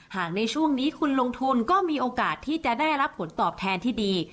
หากในช่วงนี้คุณลงทุนก็มีโอกาสที่จะได้รับผลตอบแทนที่ดี